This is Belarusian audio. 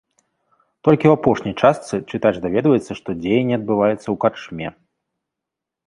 Толькі ў апошняй частцы чытач даведваецца, што дзеянне адбываецца ў карчме.